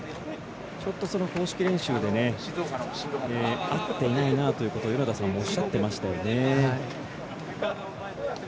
ちょっとその公式練習で合っていないなということを米田さんもおっしゃっていましたよね。